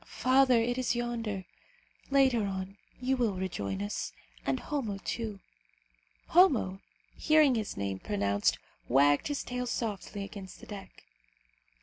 Father, it is yonder. Later on, you will rejoin us, and Homo, too." Homo, hearing his name pronounced, wagged his tail softly against the deck.